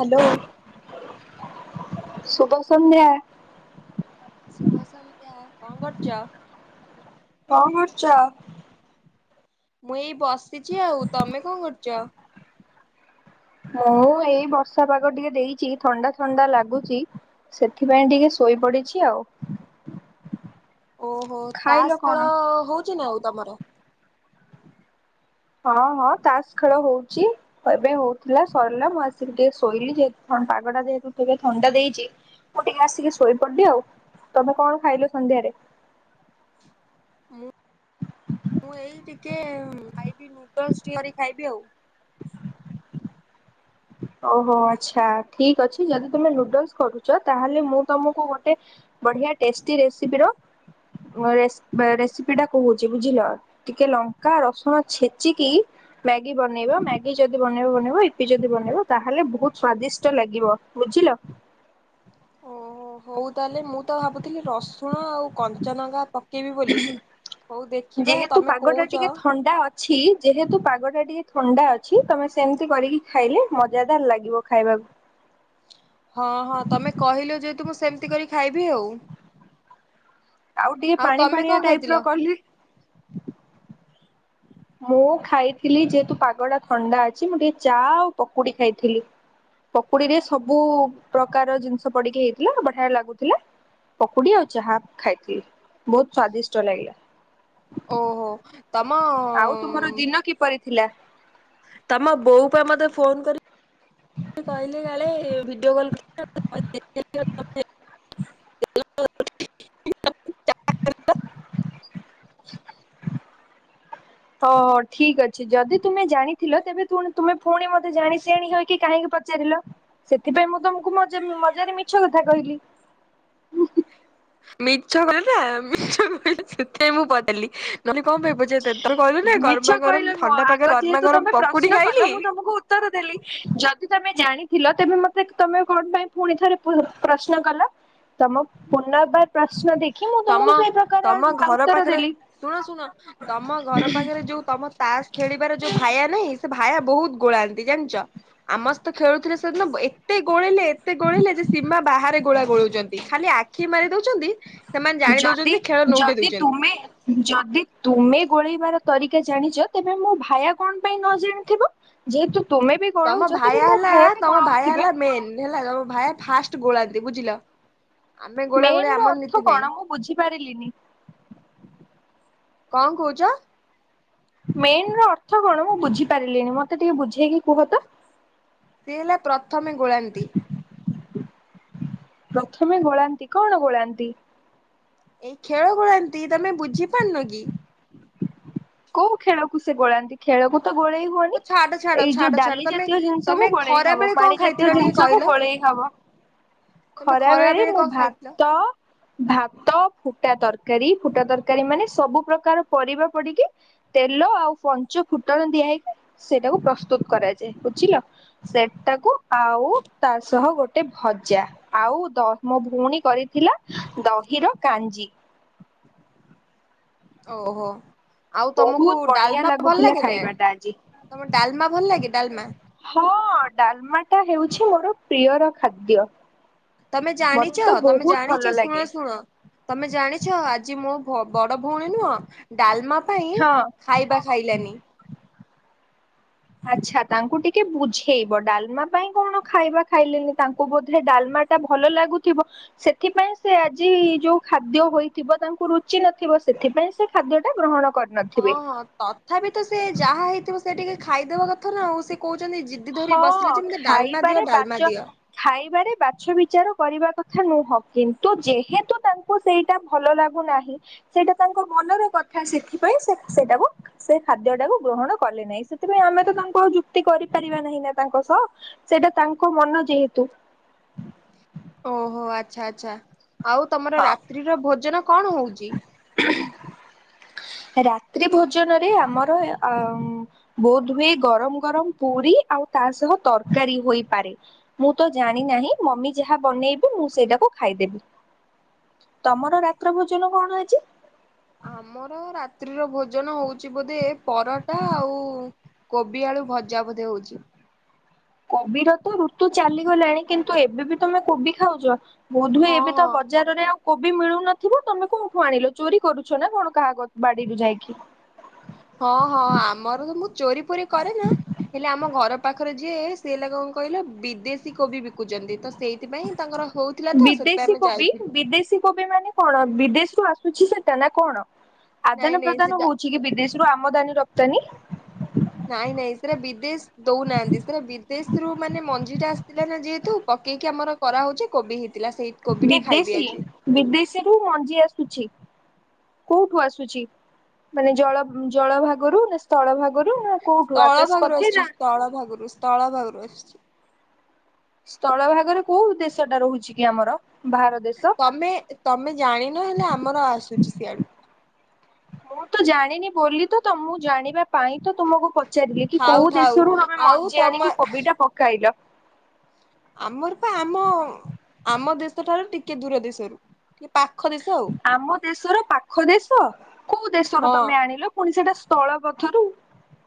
Hello ଶୁଭ ସନ୍ଧ୍ୟା। ଶୁଭ ସନ୍ଧ୍ୟା କଣ କରୁଚ? କଣ କରୁଚ? ମୁଁ ଏଇ ବସିଛି ଆଉ ତମେ କଣ କରୁଛ? ମୁଁ ଏଇ ବର୍ଷା ପାଗ ଟିକେ ଦେଇଛି ଥଣ୍ଡା ଥଣ୍ଡା ଲାଗୁଚି। ସେଥିପାଇଁ ଟିକେ ଶୋଇ ପଡିଛି ଆଉ। ଓହୋ ଖାଇଲ ତାସ କଣ? ଖେଳ ହଉଛି ନା ଆଉ ତମର? ହଁ ହଁ ତାସ ଖେଳ ହଉଛି। ଏବେ ହଉଥିଲା ସରିଲା ମୁଁ ଆସିକି ଟିକେ ଶୋଇଲି ଯେହେତୁ ପାଗଟା ଯେହତୁ କେବେ ଥଣ୍ଡା ଦେଇଛି। ମୁଁ ଟିକେ ଆସିକି ଶୋଇପଡିଲି ଆଉ ତମେ କଣ ଖାଇଲ ସନ୍ଧ୍ୟାରେ? ମୁଁ ଏଇ ଟିକେ ଖାଇବି ନୁଡଲ୍ସ ଟିଆରି ଖାଇବି ଆଉ। ଓହୋ ଆଚ୍ଛା ଠିକ ଅଛି ଯଦି ତମେ ନୁଡଲସ କରୁଛ ତାହେଲେ ମୁଁ ତମକୁ ଗୋଟେ ବଢିଆ ଟେଷ୍ଟି ରେସିପିର ରେସ ରେସିପିଟା କହୁଚି ବୁଝିଲ, ଟିକେ ଲଙ୍କା, ରସୁଣ ଛେଚିକି ମ୍ୟାଗି ବନେଇବ, ମ୍ୟାଗି ଯଦି ବନେଇବ ବନେଇବ ୟିପି ଯ ଦି ବନେଇବ ତାହେଲେ ବହୁତ ସ୍ଵାଦିଷ୍ଟ ଲାଗିବ ବୁଝିଲ। ଓ ହଉ ତାହେଲେ ମୁଁ ତ ଭାବୁଥିଲି ରସୁଣ ଆଉ କଞ୍ଚାନଙ୍କା ପକେଇବି ବୋଲି। ହଉ ଦେଖିବା ଯେହେତୁ ତମେ ପାଗ ଟା କହୁଚ ଟିକେ ଥଣ୍ଡା ଅଛି ଯେହେତୁ ପାଗଟା ଟିକେ ଥଣ୍ଡା ଅଛି ତମେ ସେମିତି କରିକି ଖାଇଲେ ମଜାଦାର ଲାଗିବ ଖାଇବାକୁ। ହଁ ହଁ ତମେ କହିଲ ଯେହେତୁ ମୁଁ ସେମିତି କରି ଖାଇବି ଆଉ। ଆଉ ଟିକେ ପାଣି ତମେ କଣ ଫାଣିଆ ଖାଇଥିଲ? ଟାଇପର କହିଲି ମୁଁ ଖାଇଥିଲି ଯେହେତୁ ପାଗଟା ଥଣ୍ଡା ଅଛି ମୁଁ ଟିକେ ଚା ଆଉ ପକୁଡି ଖାଇଥିଲି। ପକୁଡିରେ ସବୁ ପ୍ରକାର ଜିନିଷ ପଡିକି ହେଇଥିଲା ବଢିଆ ଲାଗୁଥିଲା। ପକୁଡି ଆଉ ଚାହା ଖାଇଥିଲି, ବହୁତ ସ୍ଵାଦିଷ୍ଟ ଲାଗିଲା। ଓହୋ। ତମ ଆଉ ତୁମର ଦିନ କିପରି ଥିଲା? ତମ ବୋଉ ପା ମତେ ଫୋନ କରି କହିଲେ କାଳେ ଭିଡିଓ କଲ [unintelligible] [unintelligible] ହ ଠିକ ଅ ଛି ଯଦି ତୁମେ ଜାଣିଥିଲ ତେବେ ପୁଣି ତୁମେ ପୁଣି ମତେ ଜାଣି ସିଆଣି ହୋଇକି କାହିଁକି ପଚାରିଲ? ସେଥିପାଇଁ ମୁଁ ତମକୁ ମଜା ମଜାରେ ମିଛ କଥା କହିଲି। ମିଛ କିହିନା ମିଛ କହିଲ ସେଥିପାଇଁ ମୁଁ ପଚାରିଲି। ନହଲେ କଁ କହିବ ଯେ ତେ ତମେ କହିଲ ନା ମିଛ ଗରମା କହିଲ ଗରମ ନୁହଁ ଥଣ୍ଡା ଆଗ ପାଗ ଗରମା ଯେହେତୁ ଗରମ ତମେ ପ୍ରଶ୍ନ ପକୁଡି କଲ ଖାଇଲି। ମୁଁ ତମକୁ ଉତ୍ତର ଦେଲି ଯଦି ତମେ ଜାଣିଥିଲ ତେବେ ମତେ ତମେ କଣ ପାଇଁ ପୁଣି ଥରେ ପ୍ର-ପ୍ରଶ୍ନ କଲ? ତମ ପୁନର୍ବାର ପ୍ରଶ୍ନ ଦେଖି ମୁଁ ତମ ତମକୁ ସେଇ ପ୍ରକାର ତମ ଆନ ଘର ଉତ୍ତର ପାଖରେ ଦେଲି। ଶୁଣ ଶୁଣ ତମ ଘର ପାଖରେ ଯୋଉ ତମ ତାସ ଖେଳିବାର ଯୋଉ ଭାୟା ନାହିଁ ସେ ଭାୟା ବହୁତ ଗୋଳାନ୍ତି ଜାଣିଚ? ଆମ ସହିତ ଖେଳୁଥିଲେ ସେଦିନ ଏତେ ଗୋଳେଇଲେ ଏତେ ଗୋଳେଇଲେ ଯେ ସୀମା ବାହାରେ ଗୋଳା ଗୋଳଉଛନ୍ତି, ଖାଲି ଆ ଖି ମାରି ଦଉଛନ୍ତି ସେମାନେ ଜାଣି ଯଦି ଦଉଛନ୍ତି ଖେଳ ନୋଉଟେଇ ଯଦି ଦଉଛନ୍ତି। ତୁମେ ଯଦି ତୁମେ ଗୋଳେଇବାର ତରିକା ଜାଣିଚ, ତେବେ ମୋ ଭାୟା କଣ ପାଇଁ ନ ଜାଣିଥିବ? ଯେହେତୁ ତୁମେ ବି ତମ ଗୋଳଉଛ ତେବେ ଭାଇଆ ମୋ ହେଲା ଭାୟା ବି ତମ ଭାଇଆ ଗୋଳଉଥିବେ। ହେଲା ମେନ୍ ହେଲା, ତମ ଭାଇଆ ଫାଷ୍ଟ ଗୋଳାନ୍ତି ବୁଝିଲ, ଆମେ ଗୋଳା ମେନ୍ ଗୋଳି ର ଆମର ଅର୍ଥ ନୀତି ନାହିଁ। କଣ ମୁଁ ବୁଝିପାରିଲିନି କଁ କହୁଚ? ମେନ ର ଅର୍ଥ କଣ ମୁଁ ବୁଝିପାରିଲିନି, ମୋତେ ଟିକେ ବୁଝେଇକି କୁହତ? ସିଏ ହେଲା ପ୍ରଥମେ ଗୋଳାନ୍ତି। ପ୍ରଥମେ ଗୋଳାନ୍ତି, କଣ ଗୋଳାନ୍ତି? ଏଇ ଖେଳ ଗୋଳାନ୍ତି ତମେ ବୁଝି ପାରୁନ କି? କୋଉ ଖେଳକୁ ସେ ଗୋଳାନ୍ତି? ଖେଳକୁ ତ ଗୋଳେଇ ହଉ ହୁଅନି, ଛାଡ ଛାଡ ଏଇ ଛାଡ ଯୋଉ ଛାଡ ଡାଲି ତମେ ଜାତୀୟ ତମେ ଜିନିଷକୁୁ ଗୋଳେଇ ଖରା ହବ, ବେଳେ କଣ ପାଣି ଖାଇଥିଲ ଜାତୀୟ ଟିକେ ଜିନିଷକୁ କହିଲ ଗୋଳେଇ ହବ। ତମେ ଖରା ଖରାବେଳେ ବେଳେ ମୁଁ କଣ ଖାଇଥିଲ? ଭାତ ଭାତ, ଫୁଟା ତରକାରୀ, ଫୁଟା ତରକାରୀ ମାନେ ସବୁ ପ୍ରକାର ପରିବା ପଡ଼ିକି ତେଲ ଆଉ ପଞ୍ଚ ଫୁଟଣ ଦିଆ ହେଇକି ସେଇଟାକୁ ପ୍ରସ୍ତୁତ କରା ଯାଏ ବୁଝିଲ, ସେଟାକୁ ଆଉ ତା ସହ ଗୋ ଟେ ଭଜା, ଆଉ ଦ ମୋ ଭଉଣୀ କରିଥିଲା ଦହିର କାଞ୍ଜି। ଓହୋ। ଆଉ ତମକୁ ବହୁତ ବଢିଆ ଡାଲମା ଭଲ ଲାଗୁଥିଲା ଲାଗେନା, ଖାଇବାଟା ଆଜି। ତମ ଡାଲମା ଭଲ ଲାଗେ ଡାଲମା? ହଁ ଡାଲମାଟା ହେଉଛି ମୋର ପ୍ରିୟର ଖାଦ୍ୟ। ତମେ ମତେ ଜାଣିଛ ତ ତମେ ବହୁତ ଭଲ ଜାଣିଛ ଶୁଣ ଲାଗେ ଶୁଣ। ତମେ ଜାଣିଛ ଆଜି ମୋ ଭ ବଡ଼ ଭଉଣୀ ନୁହଁ ଡାଲମା ପାଇଁ ହଁ। ଖାଇବା ଖାଇଲାନି। ଆଚ୍ଛା ତାଙ୍କୁ ଟିକେ ବୁଝେଇବ ଡାଲମା ପାଇଁ କଣ ଖାଇବା ଖାଇଲେନି ତାଙ୍କୁ ବୋଧେ ଡାଲମା ଟା ଭଲ ଲାଗୁଥିବ ସେଥିପାଇଁ ସେ ଆଜି ଯୋଉ ଖାଦ୍ୟ ହୋଇଥିବ ତାଙ୍କୁ ରୁଚି ନଥିବ ସେଥିପାଇଁ ସେ ଖାଦ୍ୟ ଟା ଗ୍ରହଣ କରେ ହଁ ହଁ ତଥାପି ତ ସେ ଯାହା ହେଇଥିବ ସେ ଟିକେ ଖାଇଦବା କଥା ନା ଆଉ ସେ କହୁଛନ୍ତି ଜି ଜିଦି ଧରି ବସିଲେ ହଁ ଯେ ମୋତେ ଡାଲମା ଦିଅ ଖାଇବାରେ ବାଚ ଡାଲମା ଦିଅ। ଖାଇବାରେ ବାଛ ବିଚାର କରିବା କଥା ନୁହଁ କିନ୍ତୁ ଯେହେତୁ ତାଙ୍କୁ ତାଙ୍କୁ ସେଇଟା ଭଲ ଲାଗୁନାହିଁ ସେଇଟା ତାଙ୍କ ମନର କଥା ସେଥିପାଇଁ ସେ ସେଇଟାକୁ ସେ ଖାଦ୍ୟଟାକୁ ଗ୍ରହଣ କଲେ ନାହିଁ ସେଥିପାଇଁ ଆମେ ତ ତାଙ୍କୁ ଆଉ ଯୁକ୍ତି କରି ପାରିବା ନାହିଁ ନା ତାଙ୍କ ସହ ସେଇଟା ତାଙ୍କ ମନ ଯେହେତୁ। ଓହୋ ଆଚ୍ଛା ଆଚ୍ଛା ଆଉ ତମର ହଁ ରାତ୍ରିର ଭୋଜନ କଣ ହଉଛି? [inaudible] ରାତ୍ରି ଭୋଜନରେ ଆମର ଅ ବୋଧହୁଏ ଗରମ ଗରମ ପୁରି ଆଉ ତା ସହ ତରକାରୀ ହୋଇପାରେ। ମୁଁ ତ ଜାଣି ନାହିଁ ମମି ଯାହା ବନେଇବେ ମୁଁ ସେଇଟାକୁ ଖାଇଦେବି। ତମର ରାତ୍ର ଭୋଜନ କଣ ଆଜି? ଆମର ରାତ୍ରିର ଭୋଜନ ହଉଛି ବୋଧେ ପରଟା ଆଉ କୋବି ଆଳୁ ଭଜା ବୋଧେ ହଉଛି। କୋବିର ତ ଋତୁ ଚାଲିଗଲାଣି କିନ୍ତୁ ଏବେ ବି ତମେ କୋବି ଖାଉଛ। ବୋଧ ହୁଏ ହଁ ଏବେ ତ ହଁ ବଜାର [unintelligible] ଆଉ କୋବି ମିଳୁନଥିବ ତମେ କୋଉଠୁ ଆଣିଲ ଚୋରି କରୁଛ ନା କଣ କାହା ବାଡିରୁ ଯାଇକି? ହଁ ହଁ ଆମର ତ ମୁଁ ଚୋରି ପୋରି କରେ ନା। ହେଲେ ଆମ ଘର ପାଖରେ ଯିଏ ସେ ହେଲା କଣ କହିଲ ବିଦେଶୀ କୋବି ବିକୁଛନ୍ତି ତ ସେଇ ସେଥିପାଇଁ ତାଙ୍କର ହଉଥିଲା ତ ସେଥିପାଇଁ ଆମେ ଯାଇଥିଲୁ। ଦେଶୀ କୋବି ମାନେ କଣ ବିଦେଶରୁ ଆସୁଛି ସେଟା ନା କଣ? ନାଇଁ ଆଦାନ ନାଇଁ ପ୍ରଦାନ ସେଟା ହଉଛି କି ବିଦେଶ ରୁ ଆମଦାନୀ ରପ୍ତାନି ନାଇଁ ନାଇଁ ଏଥିରେ ବିଦେଶ। ଦଉନାହାନ୍ତି ସେଟା ବିଦେଶରୁୁ ମାନେ ମଞ୍ଜି ଟା ଆସିଥିଲା ନା ଯେହେତୁ ପକେଇକି ଆମର କରାହେଉଛି କୋବି ହେଇଥିଲା ସେଇ। କୋବି ଟା ଖାଇବି ବିଦେଶୀ ଆଜି। ବିଦେଶୀରୁୁ ମଞ୍ଜି ଆସୁଛି। କୋଉଠୁ ଆସୁଛି ମାନେ ଜଳ ଜଳ ଭାଗରୁ ନା। ଶ ସ୍ଥଳ ଭାଗରୁ ନା କୋଉଠୁ ସ୍ଥଳ ଆକାଶ ଭାଗରୁ ପଥେଇ ଆସିଛି ନା। ସ୍ଥଳ ଭାଗରୁ। ସ୍ଥଳ ଭାଗରୁ ଆସୁଛି। ସ୍ଥଳ ଭାଗରେ କୋଉ ଦେଶ ଟା ରହୁଛି କି ଆମର ବାହାର ଦେଶ। ତମେ ତମେ ଜାଣିନହେଲେ ଆମର ଆସୁଛି ସିଆଡୁ। ମୁଁ ତ ଜାଣିନି ବୋଲି ତ ତମ ଜାଣିବା ପାଇଁ ତ ତୁମକୁ ପଚା ପଚାରିଲେ କି ଥାଉ କୋଉ ଥାଉ। ଦେଶରୁ ତମେ ଆଉ ମଞ୍ଜି ତମ ଆଣିକି କୋବି ଟା ପକାଇଲ। ଆମର ବା ଆମ ଆମ ଦେଶଠାରୁ ଟିକେ ଦୂର ଦେଶରୁ। କି ପାଖରେ ଆମ ଦେଶର ପାଖ ଦେଶ କୋଉ ଦେଶରୁ ହଁ ତମେ ଆଣିଲ। ପୁଣି ସେଟା ସ୍ଥଳ ପଥରୁ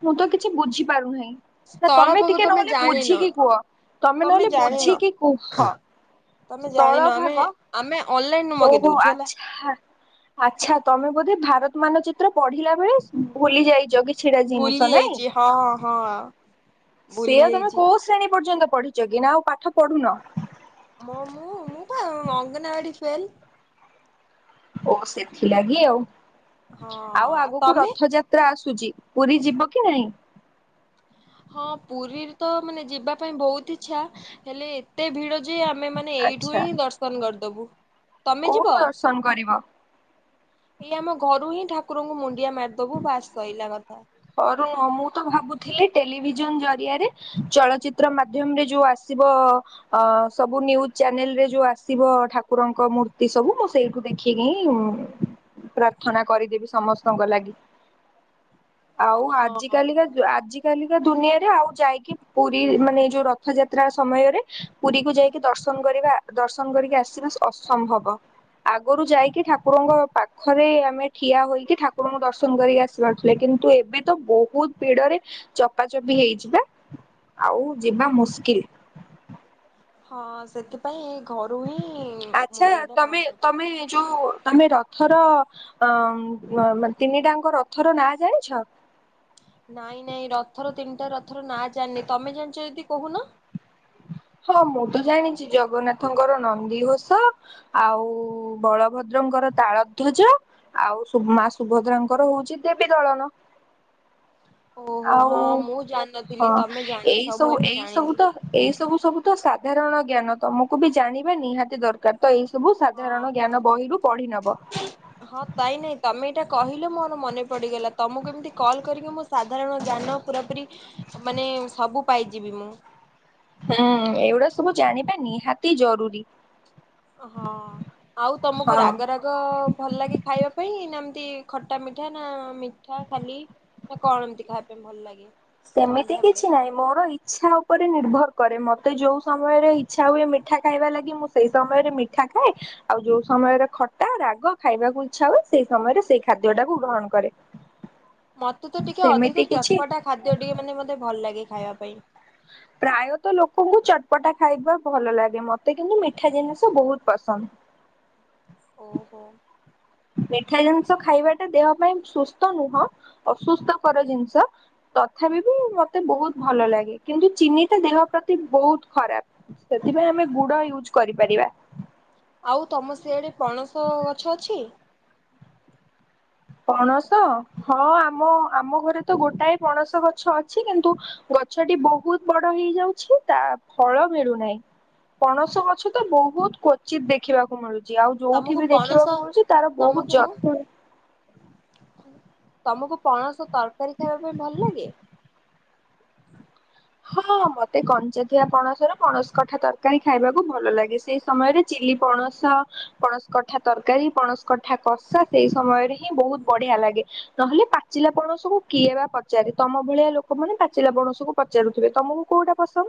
ମୁଁ ତ କିଛି ବୁଝିପାରୁନାହିଁ। ନା ତମେ ସ୍ଥଳପଗ ଟିକେ ନହେଲେ ଜାଣିନ ବୁଝିକି କୁହ ତମେ ନହେଲେ ବୁଝିକି କୁହ। ତମେ ସ୍ଥଳ ଜାଣିନ ଆମେ ଭାଗ ଆମେ ଅନଲାଇନରୁୁ ଓ ମଗେଇ ହୋ ଦଉଛୁ ହେଲା ଆଚ୍ଛା। ଆଚ୍ଛା ତମେ ବୋଧେ ଭାରତ ମାନଚିତ୍ର ପଢିଲା ବେଳେ ଭୁଲି ଯାଇଛ କି। ଭୁଲି ଯାଇଛି ହଁଁ ହଁ। ଭୁଲି ସେୟା ତମେ ଯାଇଛି କୋଉ ଶ୍ରେଣୀ ପର୍ଯ୍ୟନ୍ତ ପଢିଛ କି ନା ଆଉ ପାଠ ପଢୁନ। ହଁ ମୁଁ ମୁଁ ପା ଅଙ୍ଗନବାଡି ଫେଲ୍। ଓ ସେଥିଲାଗି ଆଉ ହଁ ଆଉ ଆଗକୁ ତମେ ରଥଯାତ୍ ଯାତ୍ରା ଆସୁଛି ପୁରୀ ଯିବ କି ନାଇଁ? ହଁ ପୁରୀରେ ତ ମାନେ ଯିବା ପାଇଁ ବହୁତ ଇଚ୍ଛା ହେଲେ ଏତେ ଭିଡ ଯେ ଆମେ ମାନେ ଏଇଠୁ ଆଚ୍ଛା ହିଁ ଦର୍ଶନ କରିଦବୁ। ତମେ କୋଉଠୁ ଯିବ? ଦର୍ଶନ କରିବ? ଏଇ ଆମ ଘରୁ ହିଁ ଠାକୁରଙ୍କୁ ମୁଣ୍ଡିଆ ମାରିଦବୁ ବାସ ସଇଲା କଥା। ଘରୁ ନୁହ ମୁଁ ତ ଭାବୁଥିଲି ଟେଲିଭିଜନ ଜରିଆରେ ଚଳଚିତ୍ର ମାଧ୍ୟମରେ ଯୋଉ ଆସିବ ଅ ସବୁ ନ୍ୟୁଜ ଚ୍ୟାନେଲ ରେ ଯୋଉ ଆସିବ ଠାକୁରଙ୍କ ମୂର୍ତ୍ତି ସବୁ ମୁଁ ସେଇ ଠୁ ଦେଖିକି ପ୍ରାର୍ଥନା କରିଦେବି ସମସ୍ତଙ୍କ ଲାଗି। ଆଉ ଆଜି ହଁ। କାଲିକା ଜ ଆଜି କାଲିକା ଦୁନିଆରେ ଆଉ ଯାଇକି ପୁରୀ ମାନେ ଯୋଉ ରଥ ଯାତ୍ରା ସମୟରେ ପୁରୀକୁ ଯାଇକି ଦର୍ଶନ କରିବା ଦର୍ଶନ କରିକି ଆସିବା ଅସମ୍ଭବ। ଆଗରୁ ଯାଇକି ଠାକୁରଙ୍କ ପାଖରେ ଆମେ ଠିଆ ହୋଇକି ଠାକୁରଙ୍କୁ ଦର୍ଶନ କରିକି ଆସି ପାରୁଥିଲେ କିନ୍ତୁ ଏ ବେ ତ ବହୁତ ଭିଡରେ ଚପାଚପି ହେଇଯିବା ଆଉ ଯିବା ମୁସ୍କିଲ। ହଁ ସେଥିପ ଆଚ୍ଛା ଟା ତମେ ମାରିଦବୁ। ତମେ ଯୋଉ ତମେ ରଥ ଥର ଅ ତିନିଟାଙ୍କ ରଥର ନାଁ ଜାଣିଛ? ନାଇଁ ନାଇଁ ରଥର ତିନିଟା ରଥର ନାଁ ଜାଣିନି ତମେ ଜାଣିଚ ଯଦି କହୁନ। ହଁ ମୁଁ ତ ଜାଣିଚି। ଜଗନ୍ନାଥଙ୍କର ନନ୍ଦୀଘୋଷ ଆଉ ବଳଭଦ୍ରଙ୍କର ତାଳ ଧ୍ୱଜ ଆଉ ମା ସୁଭଦ୍ରାଙ୍କର ହଉଚି ଦେବୀ ଦଳନ। ଓହୋ ଆଉ ହଁ ମୁଁ ହଁ ଜାଣିନଥିଲି ତମେ ଏଇ ଜାଣିଛ ମୁଁ ସବୁ ଏବେ ଏଇ ସବୁ ଜାଣିଲି ତ। ଏଇ ସବୁ ସବୁ ତ ସାଧାରଣ ଜ୍ଞାନ ତମକୁ ବି ଜାଣିବା ନିହାତି ଦରକାର। ତ ଏଇ ସବୁ ହଁ ସାଧାରଣ ହଁ। ଜ୍ଞାନ ବହିରୁ ପଢି ନବ। ହଁ ତାଇ ନାଇଁ ତମେ ଏଇଟା କହିଲେ ମୋର ମନେ ପଡିଗଲା। ତମକୁ ଏମିତି କଲ୍ କରିକି ମୁ ସାଧାରଣ ଜ୍ଞାନ ପୁରାପୁରି ମାନେ ସବୁ ପାଇଯିବି ମୁଁ। ହୁଁ ଏଇଗୁଡା ସବୁ ଜାଣିବା ନିହାତି ଜରୁରୀ। ହଁ ଆଉ ତମକୁ ହଁ। ରାଗ ରା ଗ ଭଲ ଲାଗେ ଖାଇବା ପାଇଁ ନା ଏମତି ଖଟା ମିଠା ନା ମିଠା ଖାଲି କଣ ଏମତି ଖାଇବା ପାଇଁ ଭଲ ଲାଗେ? ସେମିତି ସନ୍ଧ୍ୟା ବେଳେ କିଛି ନାହିଁ। ମୋର ଇଚ୍ଛା ଉପରେ ନିର୍ଭର କରେ ମୋତେ ଯୋଉ ସମୟରେ ଇଚ୍ଛା ହୁଏ ମିଠା ଖାଇବା ଲାଗି ମୁଁ ସେଇ ସମୟରେ ମିଠା ଖାଏ। ଆଉ ଯୋଉ ସମୟରେ ଖଟା ରାଗ ଖାଇବାକୁ ଇଚ୍ଛା ହୁଏ ସେଇ ସମୟରେ ସେଇ ଖାଦ୍ୟ ଟାକୁ ଗ୍ରହଣ କରେ। ମତେ ତ ଟିକେ ସେମିତି ଅଧିକ କିଛି ଚଟପଟା ଖାଦ୍ୟ ଟିକେ ମାନେ ମତେ ଭଲ ଲାଗେ ଖାଇବା ପାଇଁ। ପ୍ରାୟତଃ ଲୋକଙ୍କୁ ଚଟପଟା ଖାଇବା ଭଲ ଲାଗେ ମତେ କିନ୍ତୁ ମିଠା ଜିନିଷ ବହୁତ ପସନ୍ଦ। ଓହୋ। ମିଠା ଜିନିଷ ଖାଇବାଟା ଦେହ ପାଇଁ ସୁସ୍ଥ ନୁହଁ ଅସୁସ୍ଥକର ଜିନିଷ ତଥାପି ବି ମତେ ବହୁତ ଭଲ ଲାଗେ। କିନ୍ତୁ ଚିନିଟା ଦେହ ପ୍ରତି ବହୁତ ଖରାପ। ସେଥିପାଇଁ ଆମେ ଗୁଡ ହଁ ୟୁଜ କରିପାରିବା। ଆଉ ତମ ସିଆଡ଼େ ପଣସ ଗଛ ଅଛି? ପଣସ ହଁ ଆମ ଆମ ଘରେ ତ ଗୋଟାଏ ପଣସ ଗଛ ଅଛି କିନ୍ତୁ ଗଛଟି ବହୁତ ବଡ ହେଇଯାଉଛି ତା ଫଳ ମିଳୁନାହିଁ। ପଣସ ଗଛ ତ ବହୁତ କ୍ଵଚିତ ଦେଖିବାକୁ ମିଳୁଚି। ଆଉ ଯୋଉଠି ତମକୁ ବି ପଣସ ଦେଖିବାକୁ ମିଳୁଛି ତାର ବହୁତ ତମକୁ ଯ ତମକୁ ପଣସ ତରକାରୀ ଖାଇବା ପାଇଁ ଭଲ ଲାଗେ? ହଁ ମତେ କଞ୍ଚା ଥିବା ପଣସ ର ପଣସ କଠା ତରକାରୀ ଖାଇବାକୁ ଭଲ ଲାଗେ। ସେ ସମୟରେ ଚିଲି ପଣସ ପଣସ କଠା ତରକାରୀ ପଣସ କଠା କଷା ସେଇ ସମୟରେ ହିଁ ବହୁତ ବଢିଆ ଲାଗେ। ନହେଲେ ପାଚିଲା ପଣସକୁ କିଏ ବା ପଚାରେ। ତମ ଭଳିଆ ଲୋକମାନୋନ ପାଚିଲା ପଣସକୁ ପଚାରୁଥିବେ। ତମକୁ କୋଉଟା ପସନ୍ଦ?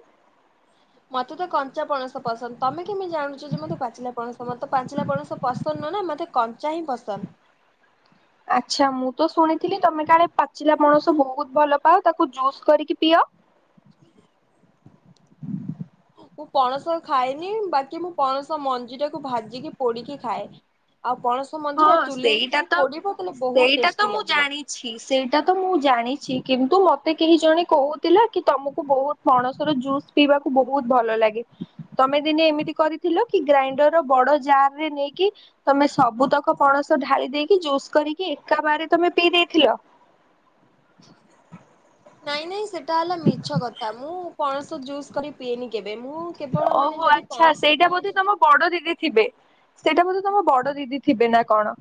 ମତେ ତ କଞ୍ଚା ପଣସ ପସନ୍ଦ। ତମେ କେମିତି ଜାଣୁଚ ଯେ ମୋତେ ପାଚିଲା ପଣସ ମତେ ପାଚିଲା ପଣସ ପସନ୍ଦ ନୁହେଁ ନା ମତେ କଞ୍ଚା ହିଁ ପସନ୍ଦ। ଆଛା ମୁଁ ତ ଶୁଣିଥିଲି ତମେ କାଳେ ପାଚିଲା ପଣସ ବହୁତ ଭଲ ପାଅ ତାକୁ ଜୁସ୍ କରିକି ପିଅ। ହ [inaudible] ମୁଁ ପଣସ ଖାଏନି ବାକି ମୁଁ ପଣସ ମଞ୍ଜି ଟାକୁ ଭାଜିକି ପୋଡିକି ଖାଏ। ଆଉ ପଣସ ମଞ୍ଜିଟା ହଁ ଚୁଲିରେ ସେଇଟା ଯଦି ପୋଡିବ ତାହେଲେ ବହୁତ ଟେଷ୍ଟି ଲାଗିବ। ଛି ସେଇଟା ତ ମୁଁ ଜାଣିଚି କିନ୍ତୁ ମତେ କେହି ଜଣେ କହୁଥିଲା କି ତମକୁ ବହୁତ ପଣସ ର ଜୁସ୍ ପିଇବାକୁ ବହୁତ ଭଲ ଲାଗେ। ତମେ ଦିନେ ଏମିତି କରିଥିଲ କି ଗ୍ରାଇଣ୍ଡର ବଡ ଜାର ରେ ନେଇକି ତମେ ସବୁ ତକ ମ ପଣସ ଢାଳି ଦେଇକି ଜୁସ୍ କରିକି ଏକା ବାରରେ ତମେ ପିଇ ଦେଇଥିଲ। ନାଇଁ ନାଇଁ ସେଟା ହେଲା ମିଛ କଥା ମୁଁ ପଣସ ଜୁସ୍ କରି ପିଏନି କେବେ ମୁଁ କେବଳ ମାନେ ଓହୋ ଯଦି ଆଚ୍ଛା ପଣସ ସେଇଟା ଥାଏ ବୋଧେ ତମ ଯଦି ବଡ ଦିଦି ଥିବେ ସେଟା ବୋଧେ ତମ ବଡ ଦିଦି ଥିବେ ନା କଣ?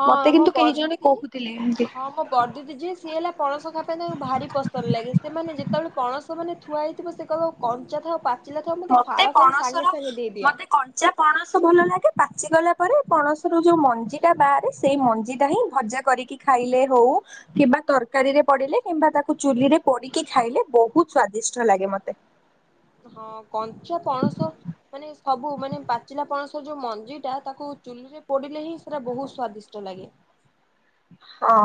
ହଁ ମତେ କିନ୍ତୁ କେହି ଜଣେ କହୁଥିଲେ ଏମତି। ବଡ଼ ଦିଦି ଯିଏ ସିଏ ହେଲା ପଣସ ଖାଇବା ପାଇଁ ତାଙ୍କୁ ଭାରି ପସନ୍ଦ ଲାଗେ ସେମାନେ ଯେତେବେଳେ ପଣସ ମାନେ ଥୁଆ ହେଇଥିବ ସେ କଇବ କଞ୍ଚା ଥାଉ ପାଚିଲା ଥାଉ ମତେ ଫାଳ କରି ସାଙ୍ଗେ ସାଙ୍ଗେ ଦେଇଦିଅ। ଯା ପଣସ ଭଲ ଲାଗେ ପାଚିଗଲା ପରେ ପଣସ ର ଯୋଉ ମଞ୍ଜିଟା ବାହାରେ ସେଇ ମଞ୍ଜିଟା ହିଁ ଭଜା କରିକି ଖାଇଲେ ହଉ କିମ୍ବା ତରକାରୀରେ ପଡିଲେ କିମ୍ବା ତାକୁ ଚୁଲି ରେ ପୋଡିକି ଖାଇଲେ ବହୁତ ସ୍ଵାଦିଷ୍ଟ ଲାଗେ ମତେ। ହଁ କଞ୍ଚା ପଣସ ମାନେ ସବୁ ମାନେ ପାଚିଲା ପଣସ ଯୋଉ ମଞ୍ଜି ଟା ତାକୁ ଚୁଲିରେ ପୋଡିଲେ ହିଁ ସେଟା ବୋହୁତ ସ୍ଵାଦିଷ୍ଟ ଲାଗେ। ହଁ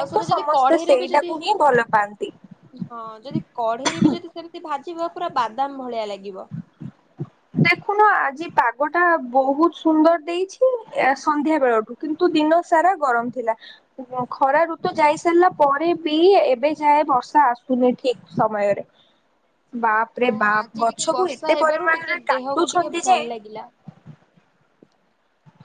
ଆଉ ସେଟା ତ ଯଦି ସମସ୍ତେ କଢେଇରେ ବି ଯଦି ସେଇଟାକୁ ହିଁ ଭଲ ପାଆନ୍ତି। ହଁ ଯଦି କଢେଇରେ ବି ଯଦି ସେମିତି ଭାଜିବ ପୁରା ବାଦାମ ଭଳିଆ ଲାଗିବ। ଦେଖୁନ ଆଜି ପାଗ ଟା ବହୁତ ସୁନ୍ଦର ଦେଇଚି ୟା ସନ୍ଧ୍ୟା ବେଳଠୁ। କିନ୍ତୁ ଦିନ ସାରା ଗରମ ଥିଲା। ଖରା ଋତୁ ଯାଇ ସାରିଲା ପରେ ବି ଏବେ ଯାଏ ବର୍ଷା ଆସୁନି ଠିକ ସମୟରେ। ହ [inaudible] ବାପ ରେ ବାପ ଗଛ କୁ ଏତେ ପରିମାଣରେ କାଟୁଛନ୍ତି ଯେ ଥିଲା।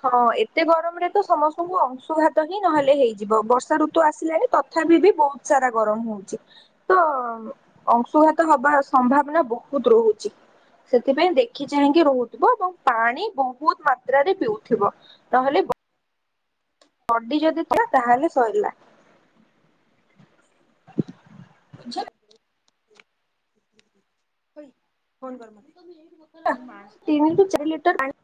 ହଁ ଏତେ ଗରମରେ ତ ସମସ୍ତଙ୍କୁ ଅଂଶୁଘାତ ହିଁ ନହେଲେ ହେଇଯିବ ବର୍ଷା ଋତୁ ଆସିଲାଣି ତ ତଥାବିି ବି ବହୁତ ସାରା ଗରମ ହଉଚି ତ ଅଂଶୁଘାତ ହବାର ସମ୍ଭାବନା ବହୁତ ରହୁଚି। ସେଥିପାଇଁ ଦେଖି ଚାହିଁକି ରହୁଥିବ ଏବଂ ପାଣି ବହୁତ ମା ତ୍ରାରେ ପିଉଥିବ ନହେଲେ ବ ବଡି ଯଦି ଥିବ ତାହେଲେ ସରିଲା। ଝା ବେ ଫୋନ୍ କର ମତେ। ଟା ତିନି ଟି ଚାରି ଲିଟର ପାଣି